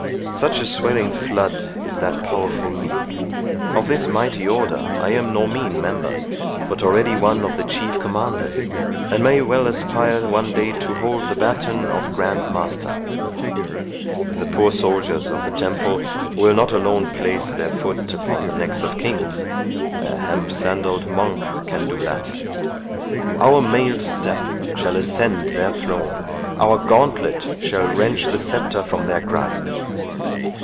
Such a swelling flood is that powerful league. Of this mighty Order I am no mean member, but already one of the Chief Commanders, and may well aspire one day to hold the batoon of Grand Master. The poor soldiers of the Temple will not alone place their foot upon the necks of kings—a hemp sandall'd monk can do that. Our mailed step shall ascend their throne—our gauntlet shall wrench the sceptre from their gripe.